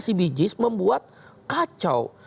sistem inasi bijis membuat kacau